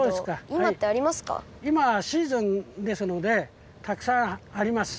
いまはシーズンですのでたくさんあります。